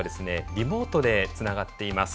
リモートでつながっています。